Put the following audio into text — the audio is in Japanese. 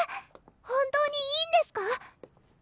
本当にいいんですか？